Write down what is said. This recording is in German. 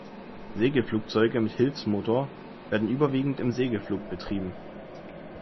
Segelflugzeuge mit Hilfsmotor werden überwiegend im Segelflug betrieben.